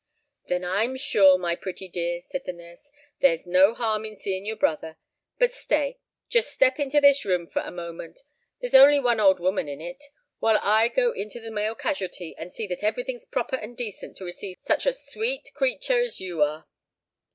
"Then I'm sure, my pretty dear," said the nurse, "there's no harm in seeing your brother. But stay—just step into this room for a moment—there's only one old woman in it,—while I go into the male Casualty and see that every thing's proper and decent to receive such a sweet creatur' as you are."